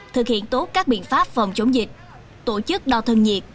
thực hiện tốt các biện pháp phòng chống dịch tổ chức đo thân nhiệt